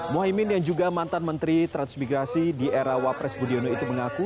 mohaimin yang juga mantan menteri transmigrasi di era wapres budiono itu mengaku